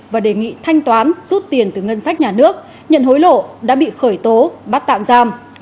và đề nghị thanh toán rút tiền từ ngân sách nhà nước nhận hối lộ đã bị khởi tố bắt tạm giam